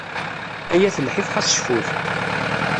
Ay at lḥif xas cfut.